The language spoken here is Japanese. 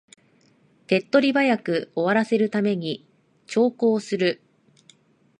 手っ取り早く終わらせるために長考する